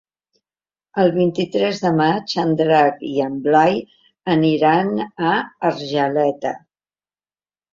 El vint-i-tres de maig en Drac i en Blai aniran a Argeleta.